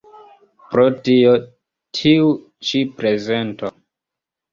Pro tio tiu ĉi prezento.